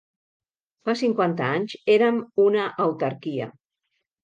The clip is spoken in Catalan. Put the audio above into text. Fa cinquanta anys érem una autarquia.